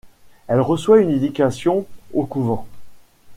Elle reçoit une éducation au couvent.